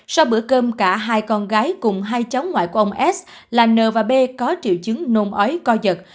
sau bữa cơm cả hai con gái cùng hai cháu ngoại của ông s là n và b có triệu chứng nôn ói co giật